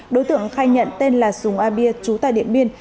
đối tượng khai nhận tên là súng a bia chú tại điện biên